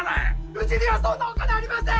うちにはそんなお金ありません！